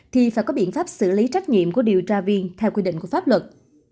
thì phải có biện pháp xử lý trách nhiệm của điều tra viên theo quy định của pháp luật